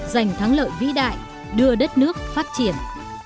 giành thắng lợi vĩ đại đưa đất nước phát triển